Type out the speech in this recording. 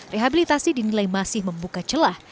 rehabilitasi dinilai masih membuka celah